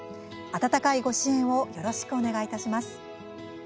温かいご支援をよろしくお願いいたします。